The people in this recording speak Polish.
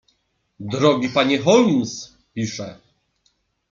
"„Drogi panie Holmes“, pisze."